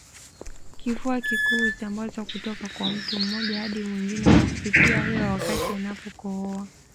Kifua kikuu husambazwa kutoka kwa mtu mmoja hadi mwingine kwa kupitia hewa wakati anapokohoa